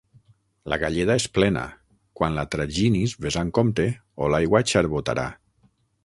La galleda és plena: quan la traginis ves amb compte, o l'aigua xarbotarà.